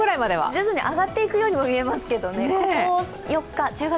徐々に上がっていくようにも見えますけど１０月４日、３０度。